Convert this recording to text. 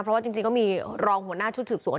เพราะว่าจริงก็มีรองหัวหน้าชุดสืบสวน